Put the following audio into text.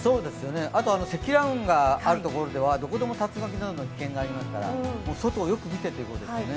あと、積乱雲があるところではどこでも竜巻のような危険がありますから、外をよく見てということですよね。